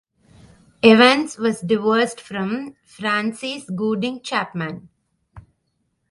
Evans was divorced from Frances Gooding Chapman.